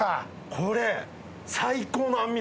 これ。